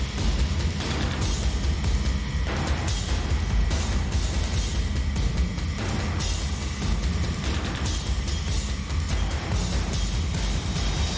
คุณผู้ชม